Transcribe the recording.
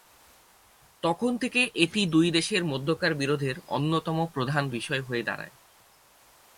তখন থেকে এটি দুই দেশের মধ্যকার বিরোধের অন্যতম প্রধান বিষয় হয়ে দাঁড়ায়।